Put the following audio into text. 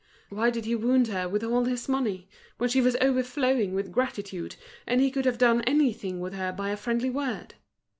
Why did he wound her with all this money, when she was overflowing with gratitude, and he could have done anything with her by a friendly word?